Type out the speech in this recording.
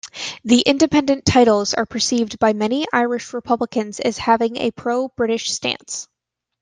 The "Independent" titles are perceived by many Irish republicans as having a pro-British stance.